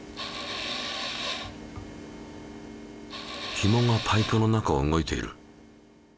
ひもがパイプの中を動いている。